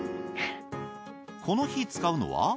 この日使うのは。